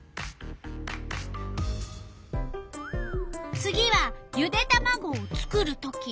次はゆでたまごを作るとき。